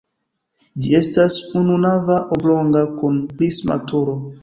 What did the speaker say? Ĝi estas ununava oblonga kun prisma turo.